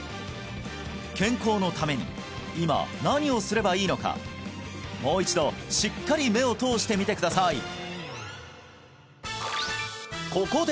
健康のために今何をすればいいのかもう一度しっかり目を通してみてください